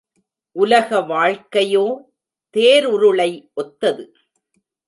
உலக வாழ்க்கையோ தேருருளை ஒத்தது.